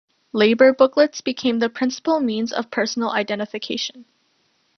Labour booklets became the principal means of personal identification.